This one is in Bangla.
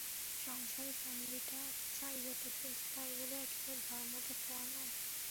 সংসারে ফন্দিটা চাই বটে, কিন্তু তাই বলে একেবারে ধর্মটা খোয়ানো?